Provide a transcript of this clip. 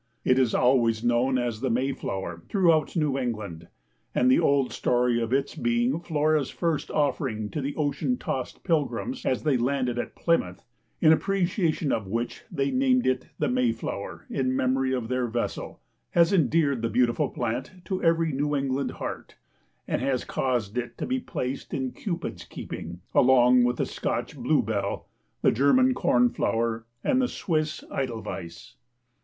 It is always known as the Mayflower throughout New England and the old story of its being Flora's first offering to the ocean tossed pilgrims as they landed at Plymouth, in appreciation of which they named it the Mayflower in memory of their vessel, has endeared the beautiful plant to every New England heart and has caused it to be placed in Cupid's keeping, along with the Scotch blue bell, the German corn flower and the Swiss edelweiss.